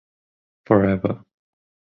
Forever.